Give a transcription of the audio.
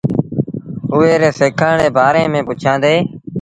اُئي ري سِکآڻ ري بآري ميݩ پُڇيآندي۔